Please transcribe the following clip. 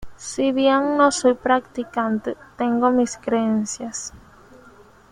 Si bien no soy practicante, tengo mis creencias".